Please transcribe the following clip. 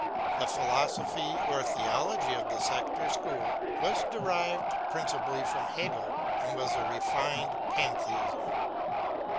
The philosophy or theology of the sect or school was derived principally from Hegel, and was a refined Pantheism.